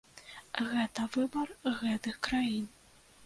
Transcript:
Гэта выбар гэтых краін.